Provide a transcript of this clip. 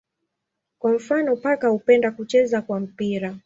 Kwa mfano paka hupenda kucheza kwa mpira.